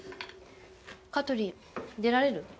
香取出られる？